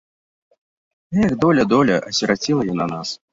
Эх, доля, доля, асіраціла яна нас.